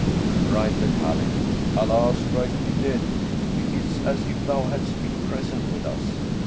'" Cried the Caliph, "Allah strike thee dead! it is as if thou hadst been present with us.''